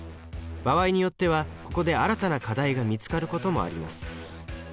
場合によってはここで新たな課題が見つかることもあります。